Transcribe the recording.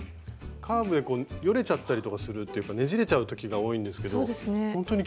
カーブでよれちゃったりとかするっていうかねじれちゃう時が多いんですけどほんとにきれいに縫えてますね。